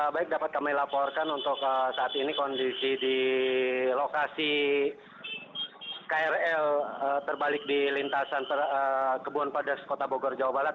baik dapat kami laporkan untuk saat ini kondisi di lokasi krl terbalik di lintasan kebun pedas kota bogor jawa barat